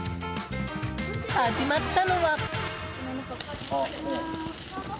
始まったのは。